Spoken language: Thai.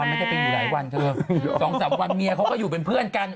มันไม่ได้เป็นอยู่หลายวันเถอะ๒๓วันเมียเขาก็อยู่เป็นเพื่อนกัน